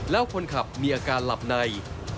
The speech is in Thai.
แล้วคนขับมีอาการหลับใน